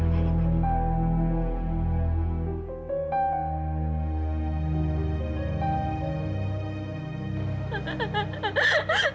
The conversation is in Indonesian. ya sebentar ya pak